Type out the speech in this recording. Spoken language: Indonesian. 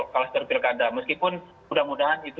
klaster pilkada meskipun mudah mudahan